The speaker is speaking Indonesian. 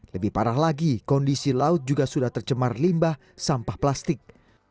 lebih parah lagi kondisi laut juga sudah tercemar limbah sampah plastik